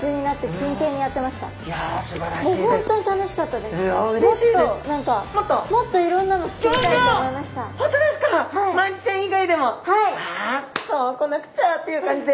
あそう来なくちゃという感じで。